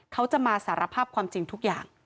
เขาจะมาสารภาพความจริงทุกอย่าง